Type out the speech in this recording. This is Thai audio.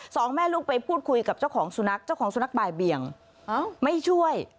สองแม่ลูกไปพูดคุยกับเจ้าของสุนัขเจ้าของสุนัขบ่ายเบียงไม่ช่วย